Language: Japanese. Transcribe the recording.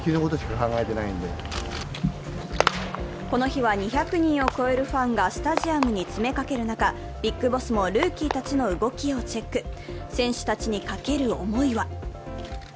この日は２００人を超えるファンがスタジアムに詰めかける中ビッグボスもルーキーたちの動きをチェック。